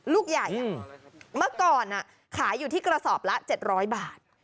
ลูกใหญ่อืมเมื่อก่อนอ่ะขายอยู่ที่กระสอบละเจ็ดร้อยบาท